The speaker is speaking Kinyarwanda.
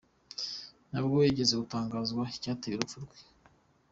Ntabwo higeze hatangazwa icyateye urupfu rwe.